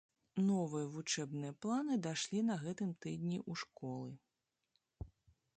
Новыя вучэбныя планы дашлі на гэтым тыдні ў школы.